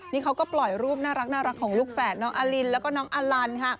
นี่เขาก็ปล่อยรูปน่ารักของลูกแฝดน้องอลินแล้วก็น้องอลันค่ะ